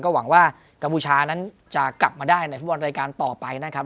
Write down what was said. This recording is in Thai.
หวังว่ากัมพูชานั้นจะกลับมาได้ในฟุตบอลรายการต่อไปนะครับ